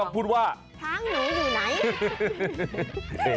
พูดว่าช้างหนูอยู่ไหน